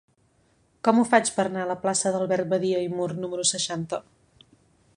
Com ho faig per anar a la plaça d'Albert Badia i Mur número seixanta?